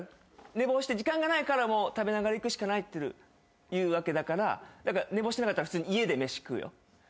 寝坊して時間がないから食べながら行くしかないっていうわけだから寝坊してなかったら普通に家で飯食うよ。